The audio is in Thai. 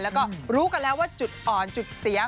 แล้วก็รู้กันแล้วว่าจุดอ่อนจุดเสีย